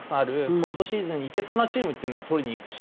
ポストシーズンにいけそうなチームっていうのは取りにいくし